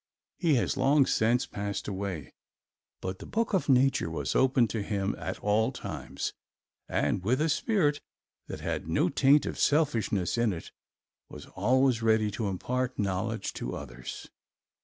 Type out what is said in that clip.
He has long since passed away, but the book of nature was open to him at all times and with a spirit that had no taint of selfishness in it, was always ready to impart knowledge to others.